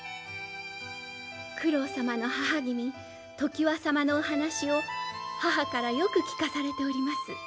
九郎様の母君常磐様のお話を母からよく聞かされております。